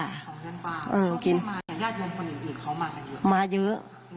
คื้มระยะย่านคนอื่นมากันเยอะ